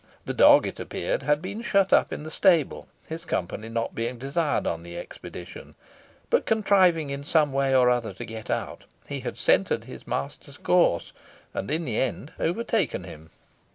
The dog, it appeared, had been shut up in the stable, his company not being desired on the expedition; but contriving in some way or other to get out, he had scented his master's course, and in the end overtaken him.